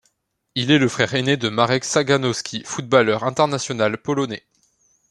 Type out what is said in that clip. Il est le frère ainé de Marek Saganowski, footballeur international polonais.